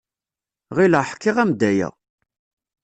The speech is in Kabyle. Ɣileɣ ḥkiɣ-am-d aya.